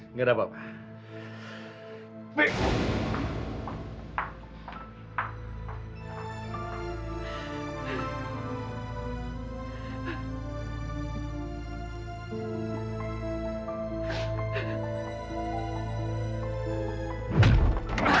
nggak ada apa apa